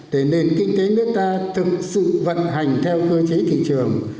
để nền kinh tế nước ta thực sự vận hành theo cơ chế thị trường